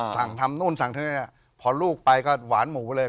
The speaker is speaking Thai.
สั่งทำนู่นสั่งที่นี่พอลูกไปก็หวานหมูเลย